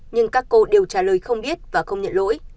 nhưng các cô đều trả lời không biết và không nhận lỗi